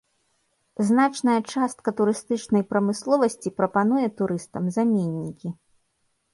Значная частка турыстычнай прамысловасці прапануе турыстам заменнікі.